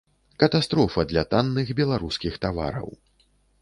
Катастрофа для танных беларускіх тавараў.